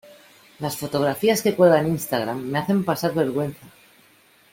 Las fotografías que cuelga en Instagram me hacen pasar vergüenza.